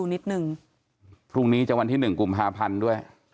มีจังหวันที่๑กลุ่ม๕พันธุ์ด้วย